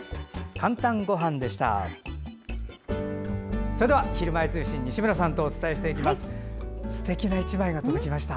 「かんたんごはん」でした。